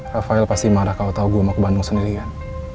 rafael pasti marah kalau tau gue mau ke bandung sendiri kan